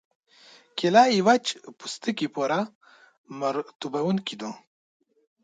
کېله د وچ پوستکي لپاره مرطوبوونکې ده.